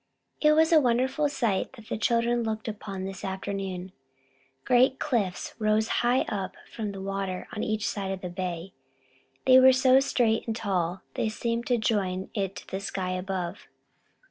It was a wonderful sight that the children looked upon this afternoon. Great cliffs rose high up from the water on each side of the bay. They were so straight and tall, they seemed to join it to the sky above.